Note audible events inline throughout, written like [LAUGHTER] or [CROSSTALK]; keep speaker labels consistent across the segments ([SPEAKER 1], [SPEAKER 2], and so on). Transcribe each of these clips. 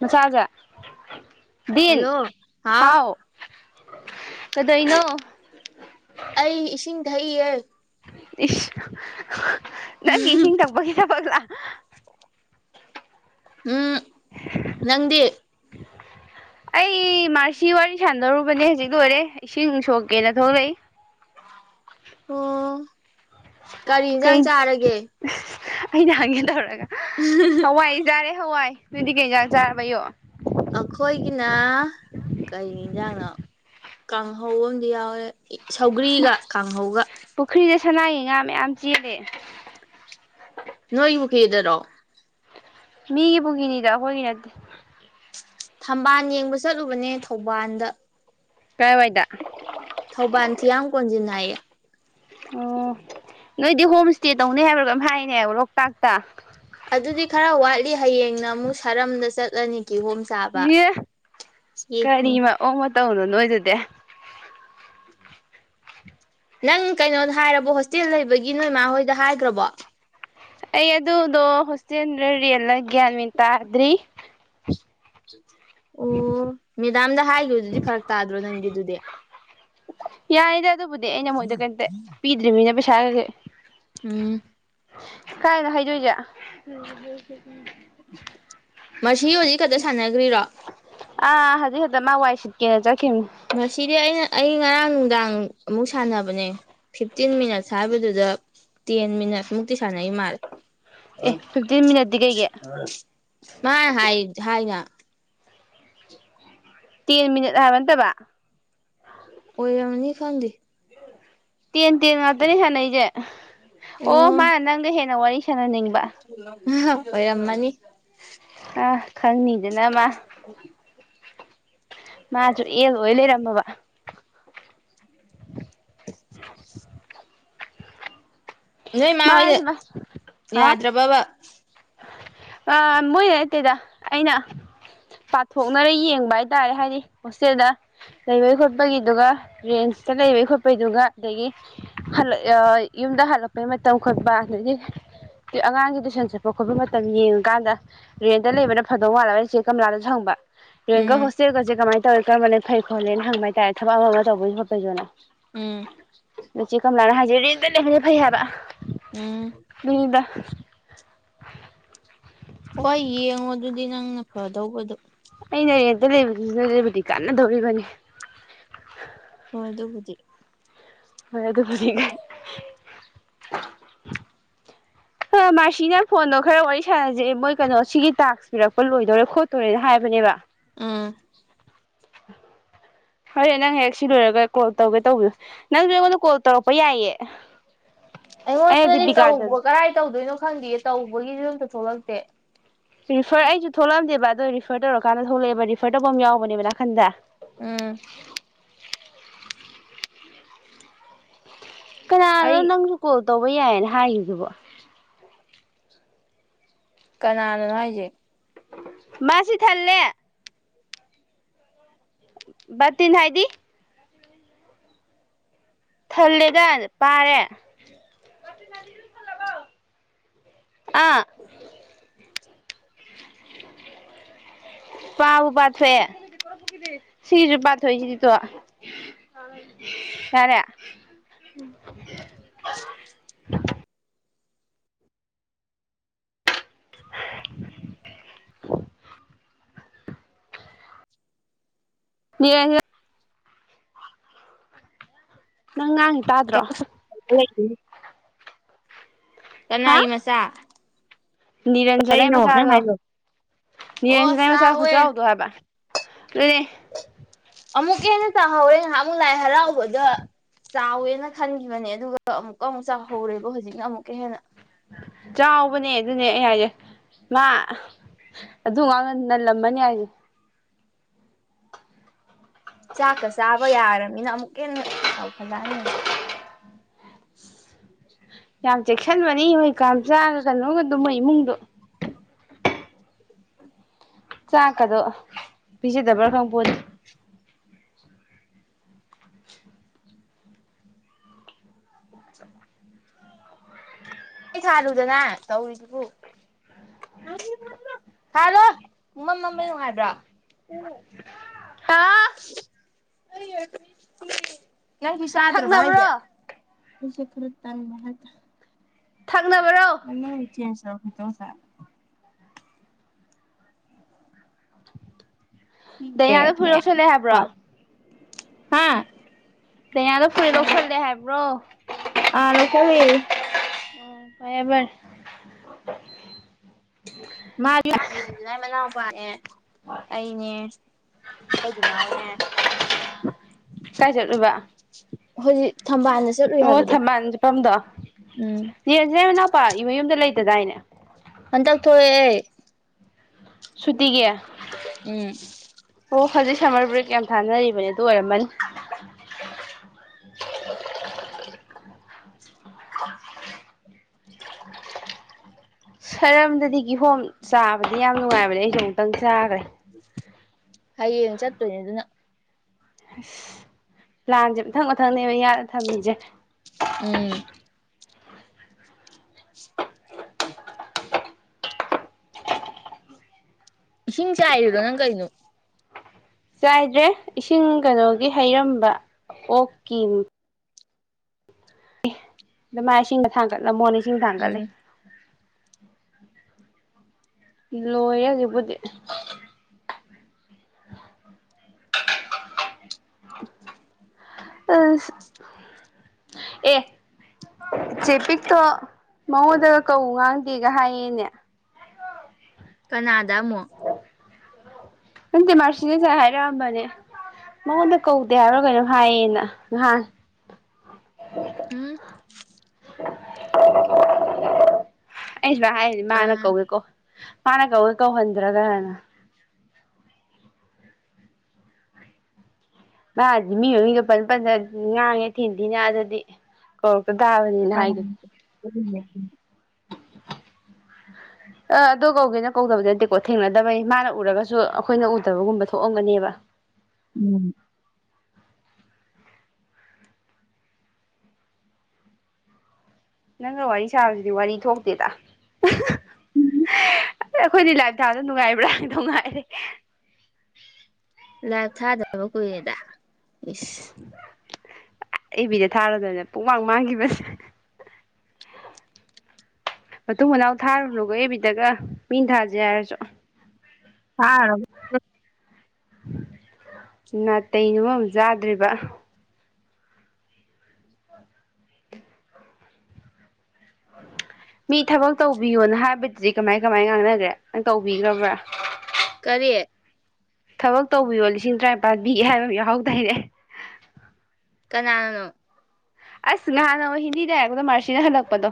[SPEAKER 1] ꯃꯆꯥꯥꯖ ꯟ ꯍꯥꯎ [INAUDIBLE] ꯀꯗꯩꯅꯣ
[SPEAKER 2] ꯏꯁꯩꯌꯦ
[SPEAKER 1] ꯏꯁ ꯅꯪ ꯏꯁꯤꯡ ꯊꯛꯄꯒꯤ ꯊꯕꯛꯂꯥ
[SPEAKER 2] ꯎꯝ ꯅꯪꯗꯤ
[SPEAKER 1] ꯑꯩ ꯃꯥꯔꯁꯤ ꯋꯥꯔꯤ ꯁꯥꯟꯅꯔꯨꯕꯅꯦ ꯍꯧꯖꯤꯛ ꯂꯣꯏꯔꯦ ꯏꯁꯤꯡ ꯁꯣꯛꯀꯦꯅ ꯊꯣꯛꯂꯛꯏ
[SPEAKER 2] ꯑꯣ ꯀꯔꯤ ꯌꯦꯟꯁꯥꯡ ꯆꯥꯔꯒꯦ
[SPEAKER 1] ꯑꯩꯗꯤ ꯍꯪꯒꯦ ꯇꯧꯔꯒ ꯍꯋꯥꯏ ꯆꯥꯔꯦ ꯍꯋꯥꯏ ꯑꯗꯨꯗꯤ ꯀꯩ ꯍꯥꯤꯡꯖꯥꯡ ꯆꯥꯔꯕ ꯑꯌꯨꯛ
[SPEAKER 2] ꯑꯩꯈꯣꯏꯒꯤꯅ ꯀꯔꯤ ꯌꯦꯟꯖꯥꯡꯅꯣ ꯀꯥꯡꯍꯧ ꯑꯃꯗꯤ ꯌꯥꯎꯔꯦ ꯁꯧꯒ꯭ꯔꯤꯒ ꯀꯥꯡꯍꯧꯒ
[SPEAKER 1] ꯄꯨꯈ꯭ꯔꯤꯗ ꯁꯅꯥꯒꯤ ꯉꯥ ꯃꯌꯥꯝ ꯆꯦꯜꯂꯦ
[SPEAKER 2] ꯅꯣꯏꯃ ꯀꯦꯗꯔꯣ
[SPEAKER 1] ꯃꯤꯒꯤ ꯄꯨꯈꯔꯤꯅꯤꯗ ꯑꯩꯈꯣꯏꯒꯤ ꯅꯠꯇꯦ
[SPEAKER 2] ꯊꯝꯕꯥꯜ ꯌꯦꯡꯕ ꯆꯠꯂꯨꯕꯅꯦ ꯊꯧꯕꯥꯜꯗ
[SPEAKER 1] ꯀꯥꯏ ꯋꯥꯏꯗ
[SPEAKER 2] ꯊꯧꯕꯥꯜ ꯊꯤ ꯌꯥꯝ ꯀꯣꯟꯁꯤꯟ ꯍꯥꯏꯌꯦ
[SPEAKER 1] ꯑꯣ ꯅꯣꯏꯗꯤ ꯍꯣꯝ ꯏꯁꯇꯦ ꯇꯧꯅꯤ ꯍꯥꯏꯕ꯭ꯔꯥ ꯀꯩꯅꯣꯝ ꯍꯥꯏꯅꯦ ꯂꯣꯛꯇꯥꯛꯇ
[SPEAKER 2] ꯑꯗꯨꯗꯤ ꯈꯔ ꯋꯥꯠꯂꯤ ꯍꯌꯦꯡꯅ ꯑꯃꯨꯛ ꯁꯥꯔꯝꯗ ꯆꯠꯂꯅꯤ ꯀꯤꯍꯣꯝ ꯆꯥꯕ
[SPEAKER 1] ꯌꯦ
[SPEAKER 2] ꯌꯦꯍꯦ
[SPEAKER 1] ꯀꯔꯤ ꯃꯑꯀꯡ ꯇꯧꯅꯨ ꯅꯣꯏꯗꯨꯗꯤ
[SPEAKER 2] ꯅꯪ ꯀꯩꯅꯣꯗ ꯍꯥꯏꯔꯕꯣ ꯍꯣꯁꯇꯦꯜ ꯂꯩꯕꯒꯤ ꯅꯣꯏꯃꯥ ꯍꯣꯏꯗ ꯍꯥꯏꯈ꯭ꯔꯕꯣ
[SPEAKER 1] ꯑꯩ ꯑꯗꯨꯗꯣ ꯍꯣꯁꯇꯦꯜꯂ ꯔꯦꯟꯔ ꯒꯤ꯭ꯌꯥꯟ ꯃꯦꯟ ꯇꯥꯗ꯭ꯔꯤ
[SPEAKER 2] ꯁꯤ ꯑꯣ ꯃꯤ ꯃꯦꯗꯥꯝꯗ ꯍꯥꯏꯈꯤꯕꯗꯨꯗꯤ ꯐꯔꯛ ꯇꯥꯗ꯭ꯔꯣ ꯅꯪꯒꯤ ꯑꯗꯨꯗꯤ
[SPEAKER 1] ꯌꯥꯅꯤꯗ ꯑꯗꯨꯕꯨꯗꯤ ꯑꯩꯅ ꯃꯣꯏꯗꯣ ꯀꯩꯝꯇ ꯄꯤꯗ꯭ꯔꯤꯕꯅꯤꯅ ꯁꯥꯒꯖꯦ
[SPEAKER 2] ꯎꯝ
[SPEAKER 1] ꯀꯥꯏꯅꯣ ꯍꯥꯏꯗꯣꯏꯁꯦ
[SPEAKER 2] ꯃꯁꯤ ꯍꯧꯖꯤꯛ ꯈꯛꯇ ꯁꯥꯟꯅꯈ꯭ꯔꯤꯔꯣ
[SPEAKER 1] ꯗ ꯃꯥ ꯋꯥꯏ ꯁꯤꯠꯀꯦꯅꯦ ꯆꯠ
[SPEAKER 2] ꯅꯁꯤꯗꯤ ꯑꯩꯅ ꯑꯩ ꯑꯉꯔꯥꯡ ꯅꯨꯡꯗꯥꯡ ꯑꯃꯨꯛ ꯁꯥꯟꯅꯕꯅꯦ ꯐꯤꯐꯇꯤꯟ ꯃꯤꯅꯠꯁ ꯍꯥꯏꯕꯗꯨꯗ ꯇꯦꯟ ꯃꯤꯅꯠꯁ ꯃꯨꯛꯇꯤ ꯁꯥꯟꯅꯈꯤ ꯃꯥꯜꯂꯦ
[SPEAKER 1] ꯑꯦ ꯐꯤꯐꯇꯤꯟ ꯃꯤꯅꯠꯇꯤ ꯀꯩꯒꯤ
[SPEAKER 2] ꯃꯥ ꯍꯥꯏ ꯍꯥꯏꯅ
[SPEAKER 1] ꯇꯦꯟ ꯃꯤꯅꯠ ꯍꯥꯏꯕ ꯅꯠꯇꯕ
[SPEAKER 2] ꯑꯣꯏꯔꯝꯅꯤ ꯈꯪꯗꯦ
[SPEAKER 1] ꯇꯦꯟ ꯇꯦꯟ ꯉꯥꯛꯇꯅꯤ ꯁꯥꯟꯅꯩꯁꯦ ꯑꯐ ꯑꯣ ꯃꯥ ꯅꯪ ꯍꯦꯟ ꯋꯥꯏ
[SPEAKER 2] ꯍꯣꯏ ꯔꯝꯃꯅꯤ
[SPEAKER 1] ꯑ ꯈꯪꯅꯤꯗꯅ ꯃꯥ
[SPEAKER 2] ꯎ
[SPEAKER 1] ꯃꯥꯁꯨ ꯑꯦ ꯑꯣꯏ ꯂꯩꯔꯝꯝꯕꯕꯥ
[SPEAKER 2] ꯅꯣꯏ ꯃꯥ ꯍꯣꯏꯗ ꯌꯥꯗ꯭ꯔꯕꯕ
[SPEAKER 1] ꯃꯣꯏꯅ ꯑꯇꯩꯗ ꯑꯩꯅ ꯄꯥꯊꯣꯛꯅꯔ ꯌꯦꯡꯕ ꯍꯥꯏꯇꯥꯔꯦ ꯍꯥꯏꯗꯤ ꯍꯣꯁꯇꯦꯜꯗ ꯂꯩꯕꯩ ꯈꯣꯠꯄꯒꯤꯗꯨꯒ ꯔꯦꯟꯖꯇ ꯂꯩꯕꯩ ꯈꯣꯠꯄꯩꯗꯨꯒ ꯑꯗꯒꯤ ꯌꯨꯝꯗ ꯍꯜꯂꯛꯄꯒꯤ ꯃꯇꯝ ꯈꯣꯠꯄ ꯑꯗꯒꯤ ꯑꯉꯥꯡꯒꯤ ꯇꯨꯏꯁꯟ ꯆꯠꯄ ꯍꯕ ꯈꯣꯠꯄ ꯃꯇꯝ ꯌꯦꯡꯉꯀꯥꯟꯗ ꯔꯦꯟꯗ ꯂꯩꯕꯅ ꯐꯗꯧ ꯋꯥꯠꯂꯅ ꯆꯦꯛ ꯀꯝꯂꯥꯗ ꯁꯪꯕ ꯔꯌꯦꯒ
[SPEAKER 2] ꯎꯝ
[SPEAKER 1] ꯍꯣꯁꯦꯜꯒꯁꯦ ꯀꯃꯥꯏ ꯇꯀꯔꯝꯕꯅ ꯐꯩ ꯈꯣꯠꯂꯦꯅ ꯍꯪꯕ ꯍꯥꯏꯇꯥꯔꯦ ꯊꯕꯛ ꯑꯃ ꯇꯧꯕꯒꯤꯩꯣꯠꯄꯗꯣꯅ
[SPEAKER 2] ꯎꯝ
[SPEAKER 1] ꯎꯆꯤ ꯀꯝ ꯂꯥꯅ ꯍꯥꯏꯁꯦ ꯔꯦꯟꯇ ꯂꯩꯕꯗꯤ ꯐꯩ ꯍꯥꯏꯕ
[SPEAKER 2] ꯎꯝ
[SPEAKER 1] ꯕꯤꯅꯤꯗ
[SPEAKER 2] ꯍꯣꯏ ꯌꯦꯡꯉꯣ ꯑꯗꯨꯗꯤ ꯅꯪꯅ ꯐꯗꯧꯕꯗꯣ
[SPEAKER 1] ꯑꯩꯅ ꯔꯦꯟꯇ ꯂꯩꯕꯨꯗꯤ ꯀꯥꯟꯅꯗꯧꯔꯤꯕꯅꯤ
[SPEAKER 2] ꯍꯣꯏ ꯑꯗꯨꯕꯨꯗꯤ
[SPEAKER 1] ꯐꯔꯦꯀꯥꯏ ꯃꯥꯔꯁꯤꯅ ꯐꯣꯟꯗꯣ ꯈꯔ ꯋꯥꯔꯤ ꯁꯥꯟꯅꯖꯩꯑ ꯃꯣꯏ ꯀꯩꯅꯣ ꯁꯤꯒꯤ ꯇꯥꯛꯁ ꯄꯤꯔꯛꯄ ꯂꯣꯏꯗꯣꯔꯦ ꯈꯣꯠꯇꯣꯔꯦꯅ ꯍꯥꯏꯕꯅꯦꯕ
[SPEAKER 2] ꯑꯥ
[SPEAKER 1] ꯍꯣꯏ ꯅꯪ ꯍꯦꯛ ꯁꯤ ꯂꯣꯏꯔꯒ ꯀꯣꯜ ꯇꯧꯒꯦ ꯇꯧꯕꯤꯌꯨ ꯅꯪꯁꯨ ꯑꯩꯉꯣꯟꯗ ꯀꯣꯜ ꯇꯧꯔꯛꯄ ꯌꯥꯏꯌꯦ ꯑꯩꯅ
[SPEAKER 2] ꯑꯩꯉꯣꯟꯗꯗꯤ
[SPEAKER 1] ꯗꯤꯕꯤꯀꯥꯗ
[SPEAKER 2] ꯇꯧꯕ ꯀꯔꯥꯏ ꯇꯧꯗꯣꯏꯅꯣ ꯈꯪꯗꯌꯦ ꯇꯧꯕꯒꯤ ꯑꯝꯇ ꯊꯣꯛꯂꯛꯇꯦ
[SPEAKER 1] ꯄ꯭ꯔꯤꯐꯔ ꯑꯩꯁꯨ ꯊꯣꯛꯂꯛꯑꯗꯦꯕ ꯑꯗꯣ ꯔꯤꯐꯔ ꯇꯧꯔꯀꯥꯟꯗ ꯊꯣꯛꯂꯛꯑꯦꯕ ꯔꯤꯐꯔ ꯇꯧꯕ ꯑꯃ ꯌꯥꯎꯕꯅꯦꯕ ꯅꯥꯀꯟꯗ
[SPEAKER 2] ꯎꯝ
[SPEAKER 1] ꯀꯅꯔꯣ
[SPEAKER 2] ꯑꯩ
[SPEAKER 1] ꯅꯪꯁꯨꯀꯣ ꯇꯧꯕ ꯌꯥꯏꯌꯦꯅ ꯍꯥꯏꯈꯤꯕꯈꯤꯕꯕ
[SPEAKER 2] ꯀꯅꯥꯅꯅꯣ ꯍꯥꯏꯁꯦ
[SPEAKER 1] ꯃꯥꯁꯤ ꯊꯜꯂꯦ ꯇꯤꯟ ꯍꯥꯏꯗꯤ ꯊꯜꯂꯦꯒ ꯄꯥꯔꯦ ꯑꯥ ꯄꯥꯕꯨ ꯄꯥꯙꯑꯦ ꯁꯤꯁꯨ ꯄꯥꯊꯣꯏꯁꯤꯗꯤꯇꯣ ꯌꯥꯔꯦ ꯌꯦꯡ ꯅꯪ ꯉꯥꯡ
[SPEAKER 2] ꯂꯩ ꯎ ꯀꯅꯥꯏ ꯃꯆꯥꯥ
[SPEAKER 1] ꯅꯤꯔꯟꯖꯅ ꯑꯩ ꯃꯆꯥꯗꯣ
[SPEAKER 2] ꯑꯣ
[SPEAKER 1] ꯅꯤꯔꯟꯖꯅ ꯑꯩ ꯃꯆꯥ
[SPEAKER 2] ꯆꯥꯎꯋꯦ
[SPEAKER 1] ꯈꯨꯆꯥꯎꯗꯣ ꯍꯥꯏꯕ ꯂꯩꯅꯦ
[SPEAKER 2] ꯑꯃꯨꯛ ꯀꯦꯟꯅ ꯆꯥꯍꯧꯋꯦꯨꯛ ꯂꯥꯏ ꯍꯔꯥꯎꯕꯗ ꯆꯥꯎꯋꯦꯅ ꯈꯟꯈꯤꯕꯅꯦ ꯑꯗꯨꯒ ꯑꯃꯨꯛ ꯑꯃꯨꯛ ꯆꯥ ꯍꯧꯔꯦꯕ ꯍꯧꯖꯤꯛꯅ ꯑꯃꯨꯛꯀ ꯍꯦꯟꯅ
[SPEAKER 1] ꯆꯥꯎꯕꯅꯦ ꯑꯗꯨꯅꯦ ꯑꯩ ꯍꯥꯏꯁꯦ ꯃꯥ ꯑꯗꯨ ꯉꯥꯡꯅ ꯅꯜꯂꯝꯃꯅꯤ ꯍꯥꯏꯁꯦ [UNINTELLIGIBLE]
[SPEAKER 2] ꯆꯥꯛꯀ ꯆꯥꯕ ꯌꯥꯔꯕꯅꯤꯅ ꯑꯃꯨꯛ ꯀ ꯁꯧ ꯈꯗꯅꯤ ꯍꯧꯖꯤꯦ
[SPEAKER 1] ꯌꯥꯝ ꯆꯦꯛ ꯈꯟꯕꯅꯤ ꯍꯣꯏ ꯀꯥꯝ ꯆꯥꯒ ꯀꯩꯅꯣꯒ ꯑꯗꯨꯝ ꯃꯩꯃꯨꯡꯗꯣ ꯆꯥꯛꯀꯗꯣ ꯄꯤꯖꯗꯕ꯭ꯔꯥ ꯈꯪ ꯄꯣꯅꯤ
[SPEAKER 2] ꯑꯩ ꯊꯥꯜꯂꯨꯗꯅꯦ ꯇꯧꯔꯤꯁꯤꯕꯨ ꯊꯥꯜꯂꯣ ꯃꯃꯝ ꯃꯝꯕ ꯅꯨꯡꯉꯥꯏꯕ꯭ꯔꯣ
[SPEAKER 1] ꯍꯥꯥ
[SPEAKER 2] ꯑꯩ
[SPEAKER 1] ꯊꯛꯅꯕ꯭ꯔꯣ
[SPEAKER 2] ꯀꯩꯒꯤꯁꯗ꯭ꯔ ꯥꯏꯌꯥ ꯑꯁꯦ ꯈꯔꯠ ꯊꯥꯡꯥꯟꯕ
[SPEAKER 1] ꯊꯪꯅꯕꯔ
[SPEAKER 2] ꯑꯅ ꯆꯦꯟꯖ ꯂꯧ ꯇꯧ ꯁꯔ
[SPEAKER 1] [UNINTELLIGIBLE] ꯗꯥꯏꯅꯥꯗ ꯐꯨꯏ ꯌꯧꯁꯜꯂꯦ ꯍꯥꯏꯕ꯭ꯔꯣ
[SPEAKER 2] ꯍꯥꯥ
[SPEAKER 1] ꯀꯌꯥꯗꯣ ꯐꯨꯔꯤꯗꯧ ꯈꯜꯂꯦ ꯍꯥꯏꯕ꯭ꯔꯣ
[SPEAKER 2] ꯑꯥ ꯅꯀꯔꯤ
[SPEAKER 1] ꯑꯣ ꯀꯥꯏꯕꯔ
[SPEAKER 2] ꯃꯥ ꯃꯅꯥ ꯄꯥꯦ ꯑꯩꯅꯦ ꯑꯩꯆꯤꯟꯅꯥꯎꯅꯦ
[SPEAKER 1] ꯀꯥꯏ ꯆꯠꯂꯨꯕ
[SPEAKER 2] ꯍꯧꯖꯤꯛ ꯊꯝꯕꯥꯜꯗ ꯆꯠꯂꯨꯏ
[SPEAKER 1] ꯑꯣ
[SPEAKER 2] ꯍꯥꯏꯕꯗꯣ
[SPEAKER 1] ꯊꯝꯕꯥꯜ ꯆꯠꯐꯝꯗꯣ
[SPEAKER 2] ꯎꯝ
[SPEAKER 1] ꯑꯗꯨ ꯇꯥꯏꯅꯦ
[SPEAKER 2] ꯑ ꯇꯒ ꯊꯦ
[SPEAKER 1] ꯁꯨꯇꯒꯤ
[SPEAKER 2] ꯎꯝ
[SPEAKER 1] ꯑꯣ ꯍꯧꯖꯤꯛ ꯁꯝꯃꯔ ꯕ꯭ꯔꯦꯛ ꯌꯥꯝ ꯊꯥꯅꯔꯤꯕꯅꯦ ꯑꯗꯨ ꯑꯣꯏꯔꯝꯃꯅꯤ ꯁꯔꯝꯗꯗꯤ ꯀꯤꯍꯣꯝ ꯆꯥꯕꯗꯤ ꯌꯥꯝ ꯅꯨꯡꯉꯥꯏꯕꯅꯦ ꯑꯩꯁꯨꯦ ꯑꯃꯨꯛꯇꯪ ꯆꯥꯈ꯭ꯔꯦ
[SPEAKER 2] ꯍꯌꯦꯡ ꯆꯠꯇꯣꯏꯅꯦ ꯑꯗꯨꯅ
[SPEAKER 1] ꯑꯁ ꯂꯥꯟꯁꯦ ꯃꯊꯪ ꯃꯊꯪꯅꯦꯕ ꯌꯥꯗ ꯊꯝꯃꯤꯁꯦ
[SPEAKER 2] ꯎꯝ ꯎꯝ ꯏꯁꯤꯡ ꯆꯥꯏꯔꯤꯔꯣ ꯅꯪ ꯀꯩꯅꯣ
[SPEAKER 1] ꯆꯥꯏꯗ꯭ꯔꯦ ꯏꯁꯤꯡ ꯀꯩꯅꯣꯒꯤ ꯍꯩꯔꯝꯕ ꯑꯣꯛꯀꯤ ꯑꯗ ꯃꯥꯏ ꯏꯁꯤꯡꯅ ꯊꯥꯡꯒꯠꯂꯝꯃꯣꯅꯤ ꯊꯥꯡꯒ
[SPEAKER 2] ꯎꯝ
[SPEAKER 1] ꯂꯩꯦ ꯂꯣꯏꯔꯦ ꯍꯧꯖꯤꯛꯄꯨꯗꯤ [INAUDIBLE] ꯑꯁ ꯑꯦ ꯆꯦꯄꯤꯛꯇꯣ ꯃꯉꯣꯟꯗꯒ ꯀꯧ ꯉꯥꯡꯗꯦꯒ ꯍꯥꯏꯌꯦꯅꯦ
[SPEAKER 2] ꯀꯅꯥꯗ ꯗ ꯑꯃꯨꯛ
[SPEAKER 1] ꯅꯪꯗꯤ ꯃꯥꯔꯁꯤꯅ ꯉꯁꯥꯏ ꯍꯥꯏꯔꯛꯑꯝꯕꯅꯦ ꯃꯉꯣꯟꯗ ꯀꯧꯗꯦ ꯍꯥꯏꯕꯔ ꯀꯩꯅꯣ ꯍꯥꯏꯌꯦꯅ ꯅꯍꯥꯟ
[SPEAKER 2] ꯎꯝ
[SPEAKER 1] [INAUDIBLE] ꯑꯩꯁꯤꯚ ꯍꯥꯏꯔꯗꯤ
[SPEAKER 2] ꯑ
[SPEAKER 1] ꯃꯥꯅ ꯀꯧꯒꯦꯀꯣ ꯃꯥꯅ ꯀꯧꯒꯩ ꯀꯧꯍꯟꯗ꯭ꯔꯒꯅ ꯃꯥꯗꯤ ꯃꯤ ꯃꯃꯤꯡꯒ ꯄꯟ ꯄꯟ ꯗꯅ ꯉꯥꯡꯉꯦ ꯊꯤ ꯊꯤꯅ ꯑꯗꯨꯗꯤ ꯀꯣ ꯗꯕꯅꯤꯅ ꯍꯥꯏꯒ
[SPEAKER 2] ꯎ
[SPEAKER 1] ꯑ ꯑꯗꯨ ꯀꯧꯒꯦꯅ ꯀꯧꯗꯕ ꯅꯠꯇꯦꯀꯣ ꯊꯦꯡꯅꯗꯕꯩ ꯃꯥꯅ ꯎꯔꯒꯁꯨ ꯑꯩꯈꯣꯏꯅ ꯎꯗꯕꯒꯨꯝꯕ ꯊꯣꯛꯑꯝꯒꯅꯤꯕ
[SPEAKER 2] ꯎꯝ
[SPEAKER 1] ꯅꯪꯒ ꯋꯥꯔꯤ ꯁꯥꯕꯁꯤꯗꯤ ꯋꯥꯔꯤ ꯊꯣꯛꯇꯦꯗ ꯑꯩꯈꯣꯏꯗꯤ ꯂꯥꯏꯞ ꯊꯥꯕꯗꯨ ꯅꯨꯡꯉꯥꯏꯕ꯭ꯔꯥ ꯅꯨꯡꯉꯥꯏ
[SPEAKER 2] ꯂꯥꯏꯞ ꯊꯥꯗꯕ ꯀꯨꯏꯔꯦꯗ
[SPEAKER 1] [INAUDIBLE]
[SPEAKER 2] ꯏꯁ
[SPEAKER 1] ꯑꯦꯐ ꯕꯤꯗ ꯊꯥꯔꯗꯅꯦ ꯄꯨꯨꯡꯃꯥꯡ ꯃꯥꯡꯈꯤꯕꯁꯦ ꯃꯇꯨꯡ ꯃꯅꯥꯎ ꯊꯥꯔꯨꯅꯨꯀꯣ ꯑꯦꯐ ꯕꯤꯗꯒ ꯃꯤꯅ ꯊꯥꯖꯦ ꯍꯥꯏꯔꯁꯨ
[SPEAKER 2] ꯊꯥꯔꯕ
[SPEAKER 1] ꯅꯥꯇꯩ ꯅ ꯃꯔꯣꯜ ꯑꯃ ꯆꯥꯗ꯭ꯔꯤꯕ ꯑ ꯃꯤ ꯊꯕꯛ ꯇꯧꯕꯤꯌꯣꯅ ꯍꯥꯏꯕꯗꯤ ꯁꯤ ꯀꯃꯥꯏ ꯀꯃꯥꯏ ꯉꯥꯡꯅꯈ꯭ꯔꯦ ꯅꯪ ꯇꯧꯕꯤꯈ꯭ꯔꯕ꯭ꯔꯥ
[SPEAKER 2] ꯀꯔꯤ
[SPEAKER 1] ꯊꯕꯛ ꯇꯧꯕꯤꯌꯣ ꯂꯤꯁꯤꯡ ꯇꯔꯥꯅꯤꯄꯥꯥꯟ ꯄꯤꯒꯦ ꯍꯥꯏꯕ ꯑꯃ ꯌꯥꯎꯍꯧꯗꯥꯏꯅꯦ
[SPEAKER 2] ꯀꯅꯥꯅ
[SPEAKER 1] ꯑꯁ ꯅꯍꯥꯟꯅ ꯍꯤꯟꯗꯤꯗ ꯍꯥꯏꯔꯛꯄꯗ ꯃꯥꯔꯁꯤꯅ ꯍꯜꯂꯛꯄꯗꯣ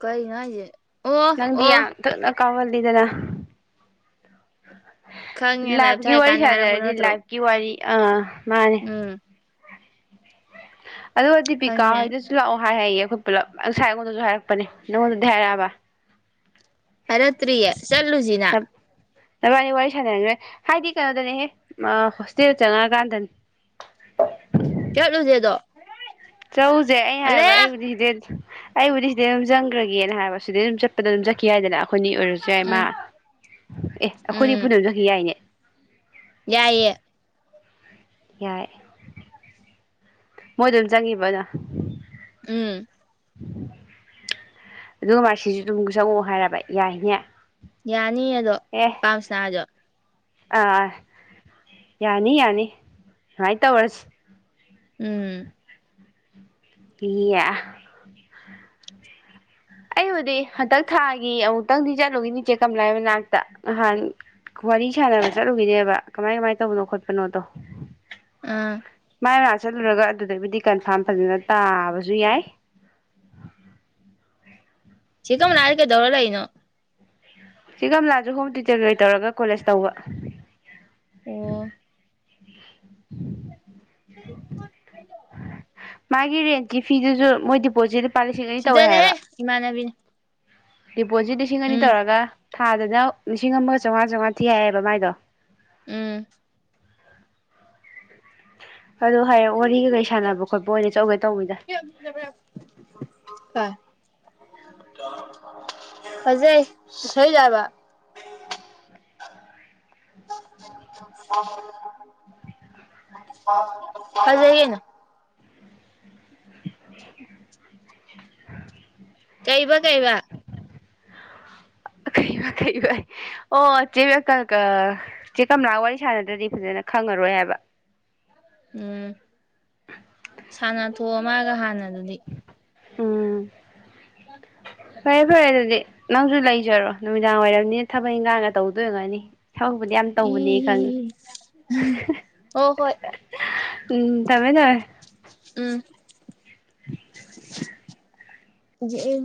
[SPEAKER 2] ꯀꯩꯅꯣ ꯍꯥꯏꯖꯦ
[SPEAKER 1] ꯅꯪꯗꯤ ꯌꯥꯝ ꯊꯨꯅ ꯀꯥꯎꯒꯜꯂꯥꯗꯅ
[SPEAKER 2] ꯈꯪꯉꯦ ꯂꯥꯏꯞ
[SPEAKER 1] ꯂꯥꯏꯚꯒꯤ ꯋꯥꯔꯤ
[SPEAKER 2] ꯊꯥꯏ
[SPEAKER 1] ꯋꯥꯔꯤ
[SPEAKER 2] ꯀꯥꯟꯗ ꯍꯥꯏꯔꯛꯄ
[SPEAKER 1] ꯁꯥꯖꯔꯗꯤ
[SPEAKER 2] ꯅꯠꯇ꯭ꯔꯣ
[SPEAKER 1] ꯂꯥꯏꯚꯀꯤ ꯋꯥꯔꯤ ꯑꯥ ꯃꯥꯅꯦ
[SPEAKER 2] ꯎꯝ
[SPEAKER 1] ꯑꯗꯨꯒꯗꯤꯄꯤꯀꯥ
[SPEAKER 2] ꯈꯪꯉꯦ
[SPEAKER 1] ꯍꯣꯏꯗꯁꯨ ꯂꯥꯛꯑꯣ ꯍꯥꯏꯔꯌꯦ ꯑꯩꯈꯣꯏ ꯄꯨꯂꯞ ꯉꯁꯥꯏ ꯑꯩꯉꯣꯟꯗꯁꯨ ꯍꯥꯏꯔꯛꯄꯅꯦ ꯅꯪꯉꯣꯟꯗꯗꯤ ꯍꯥꯏꯔꯛꯑꯕ
[SPEAKER 2] ꯍꯥꯏꯔꯛꯇꯔꯤꯌꯦ ꯆꯠꯂꯨꯁꯤꯔꯥ
[SPEAKER 1] ꯅꯕꯥꯟꯅꯤ ꯋꯥꯔꯤ ꯁꯥꯟꯅꯔ ꯍꯥꯏꯗꯤ ꯀꯩꯅꯣꯗꯅꯦꯍꯦ ꯍꯣꯁꯇꯦꯜꯗ ꯆꯪꯉꯛꯀꯥꯟꯗꯅꯤ
[SPEAKER 2] ꯆꯠꯂꯨꯁꯦꯗꯣ
[SPEAKER 1] ꯆꯧꯎꯁꯦ ꯑꯩ ꯍꯥꯏꯕ ꯑꯩꯕꯨꯗꯤ ꯍꯗꯦ ꯑꯩꯕꯨꯗꯤ ꯁꯤꯗꯩ ꯑꯗꯨꯝ ꯆꯪꯈ꯭ꯔꯒꯦꯅ ꯍꯥꯏꯕ ꯁꯤꯗꯩ ꯑꯗꯨꯝ ꯆꯠꯄꯗ ꯑꯗꯨꯝ ꯆꯠꯈꯤ ꯍꯥꯏꯗꯅ ꯑꯩꯈꯣꯏꯅꯤ ꯑꯣꯏꯔꯁꯨ ꯌꯥꯏꯃ
[SPEAKER 2] ꯎꯝ
[SPEAKER 1] ꯑꯦ ꯑꯩꯈꯣꯏꯅꯤ
[SPEAKER 2] ꯎꯝ
[SPEAKER 1] ꯄꯨꯟꯅ ꯆꯈꯤ ꯌꯥꯏꯅꯦ
[SPEAKER 2] ꯌꯥꯏꯌꯦ
[SPEAKER 1] ꯌꯥꯏ ꯃꯣꯏ ꯑꯗꯨꯝ ꯆꯪꯉꯤꯕꯗ
[SPEAKER 2] ꯎꯝ
[SPEAKER 1] ꯑꯗꯨꯒ ꯃꯥ ꯁꯤꯁꯨ ꯑꯗꯨꯝ ꯆꯪꯉꯛꯑꯣ ꯍꯥꯏꯔꯕ ꯌꯥꯏꯅꯦ
[SPEAKER 2] ꯌꯥꯅꯤ ꯑꯗꯣ
[SPEAKER 1] ꯑꯦ
[SPEAKER 2] ꯄꯥꯝꯁꯅꯥꯗꯣ
[SPEAKER 1] ꯑꯥ ꯌꯥꯅꯤ ꯌꯥꯅꯤ ꯁꯨꯃꯥꯏꯅ ꯇꯧꯔꯁꯤ
[SPEAKER 2] ꯎꯝ
[SPEAKER 1] ꯏ ꯑꯩꯕꯨꯗꯤ ꯍꯟꯗꯛ ꯊꯥꯒꯤ ꯑꯃꯨꯛꯇꯪꯗꯤ ꯆꯠꯂꯨꯈꯤꯅꯤ ꯏꯆꯦ ꯀꯝꯂꯥꯏ ꯃꯅꯥꯛꯇ ꯅꯍꯥꯟ ꯋꯥꯔꯤ ꯁꯥꯟꯅꯕ ꯆꯠꯂꯨꯈꯤꯗꯦꯕ ꯀꯃꯥꯏ ꯀꯃꯥꯏ ꯇꯧꯕꯅꯣ ꯈꯣꯠꯄꯅꯣꯗꯣ
[SPEAKER 2] ꯑꯥ
[SPEAKER 1] ꯃꯥꯏ ꯃꯥ ꯆꯠꯂꯨꯔꯒ ꯑꯗꯨꯗꯒꯤꯕꯨꯗꯤ ꯀꯟꯐꯥꯔꯝ ꯐꯖꯅ ꯇꯥꯕꯁꯨ ꯌꯥꯏ
[SPEAKER 2] ꯆꯤꯤꯡꯃꯅꯅꯥꯏ ꯀꯦꯗꯧꯔꯂꯥꯏꯩꯅꯣ
[SPEAKER 1] ꯁꯤꯒꯂꯥꯁꯨ ꯍꯣꯝ ꯇ꯭ꯌꯨꯇꯔꯒꯩ ꯇꯧꯔꯒ ꯀꯣꯂꯦꯖ ꯇꯧꯕ
[SPEAKER 2] ꯑꯣ
[SPEAKER 1] [UNINTELLIGIBLE] [UNINTELLIGIBLE] ꯃꯥꯒꯤ ꯔꯦꯟꯁꯀꯤ ꯐꯤꯗꯨꯁꯨ ꯃꯣꯏ ꯗꯤꯄꯣꯖꯤꯠ ꯂꯨꯄꯥ ꯂꯤꯁꯤꯡ ꯑꯅꯤ ꯇꯧꯋꯦ
[SPEAKER 2] ꯁꯤꯗꯅꯦ
[SPEAKER 1] ꯍꯥꯏꯕ
[SPEAKER 2] ꯏꯃꯥꯕꯤꯅꯦ
[SPEAKER 1] ꯗꯤꯄꯣꯖꯤꯠ ꯂꯤꯁꯤꯡ ꯑꯅꯤ ꯇꯧꯔꯒ ꯊꯥꯗ ꯍꯖꯎ ꯂꯤꯁꯤꯡ ꯑꯃꯒ ꯆꯥꯝꯉꯥ ꯆꯥꯝꯃꯉꯥ ꯊꯤ ꯍꯥꯏꯑꯦꯕ ꯃꯥꯏꯗꯣ
[SPEAKER 2] ꯎꯝ
[SPEAKER 1] ꯑꯗ ꯍꯥꯏꯌꯦ ꯋꯥꯔꯤꯒ ꯀꯔꯤ ꯁꯥꯟꯅꯕ ꯈꯣꯠꯄ ꯑꯣꯏꯅ ꯆꯠꯒꯦ ꯇꯧꯕꯅꯤꯗ
[SPEAKER 2] ꯍꯧꯖꯩꯁꯣꯏꯖꯕ ꯐꯖꯌꯦꯅ ꯀꯩꯕ ꯀꯩꯕ
[SPEAKER 1] [UNINTELLIGIBLE] ꯆꯦ ꯀꯃꯂꯥ ꯋꯥꯔꯤ ꯁꯥꯟꯅꯗ꯭ꯔꯗꯤ ꯐꯖꯅ ꯈꯪꯉꯔꯣꯏ ꯍꯥꯏꯕ
[SPEAKER 2] ꯎꯝ ꯁꯥꯟꯅ ꯊꯣꯛꯑꯃꯒ ꯍꯥꯟꯅꯗꯨꯗꯤ
[SPEAKER 1] ꯑꯝ ꯐꯔꯦ ꯐꯔꯦ ꯑꯗꯨꯗꯤ ꯅꯪꯁꯨ ꯂꯩꯖꯔꯣ ꯅꯨꯃꯤꯗꯥꯡ ꯋꯥꯏꯔꯝꯅꯤꯅ ꯊꯕꯛ ꯏꯪꯈꯥꯡꯒ ꯇꯧꯗꯣꯏ ꯑꯣꯏꯔꯝꯒꯅꯤ ꯊꯧꯕꯛꯄꯨꯗꯤ ꯌꯥꯝ
[SPEAKER 2] ꯏ
[SPEAKER 1] ꯇꯧꯕꯅꯦ ꯈꯪꯉꯦ
[SPEAKER 2] ꯍꯣ ꯍꯣꯏ
[SPEAKER 1] ꯎꯝ ꯊꯝꯃꯦ ꯊꯝꯃꯦ
[SPEAKER 2] ꯎꯝ [UNINTELLIGIBLE]